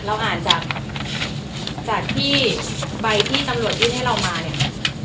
เราอ่านจากที่ใบที่ตำรวจยื่นให้เรามาเนี่ย